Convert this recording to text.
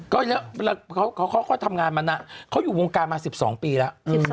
เขาทำงานมันน่ะเขาอยู่วงการมา๑๒ปีแล้ว